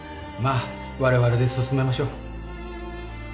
まあ我々で進めましょう。